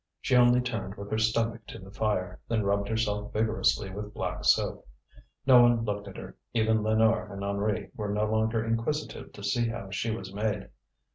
She only turned with her stomach to the fire, then rubbed herself vigorously with black soap. No one looked at her, even Lénore and Henri were no longer inquisitive to see how she was made.